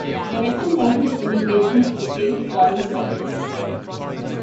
There were two notable immigrations to the state during his administration.